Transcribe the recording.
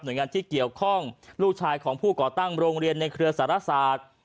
โดยงานที่เกี่ยวข้องลูกชายของผู้ก่อตั้งโรงเรียนในเครือสารศาสตร์